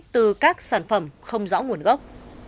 từ các sản phẩm không rõ nguồn gốc